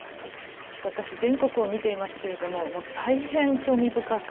私全国を見ていますけれども大変興味深くて。